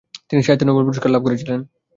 তিনি সাহিত্যে নোবেল পুরস্কার লাভ করেছিলেন।